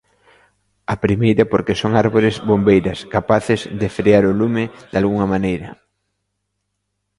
A primeira, porque son árbores 'bombeiras', capaces de frear o lume, dalgunha maneira.